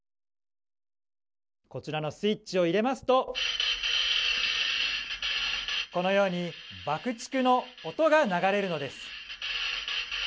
こちらのスイッチを入れますとこのように爆竹の音が流れるのです。